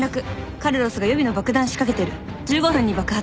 「カルロスが予備の爆弾仕掛けてる」「１５分に爆発」